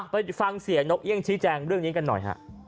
ไปฟังเสียนกเอี่ยงชี้แจงเรื่องนี้กันหน่อยฮะ